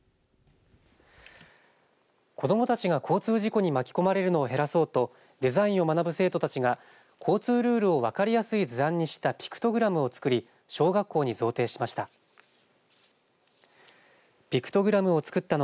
子どもたちが交通事故に巻き込まれるのを減らそうとデザインを学ぶ生徒たちが交通ルールを分かりやすい図案にしたピクトグラムを作り小学校に贈呈しました。